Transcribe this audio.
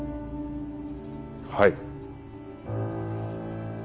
はい。